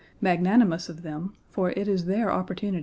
Magnanimous of them, for it is their opportunity.